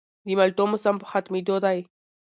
د مالټو موسم په ختمېدو دی